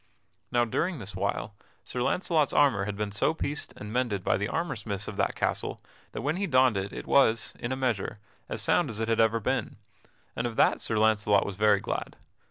Now, during this while, Sir Launcelot's armor had been so pieced and mended by the armor smiths of that castle that when he donned it it was, in a measure, as sound as it had ever been, and of that Sir Launcelot was very glad.